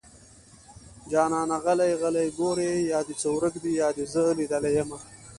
جانانه غلی غلی ګورې يا دې څه ورک دي يا دې زه ليدلې يمه